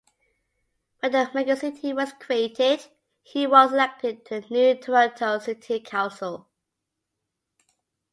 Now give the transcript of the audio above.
When the "megacity" was created, he was elected to the new Toronto city council.